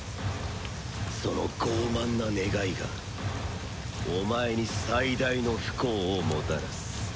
その傲慢な願いがお前に最大の不幸をもたらす。